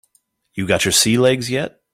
You got your sea legs yet?